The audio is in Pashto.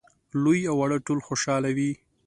لوی او واړه ټول خوشاله وي.